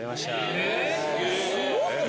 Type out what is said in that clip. すごいな。